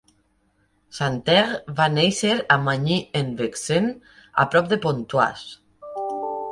Santerre va néixer a Magny-en-Vexin, a prop de Pontoise.